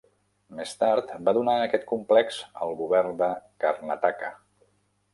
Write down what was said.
Més tard va donar aquest complex al Govern de Karnataka.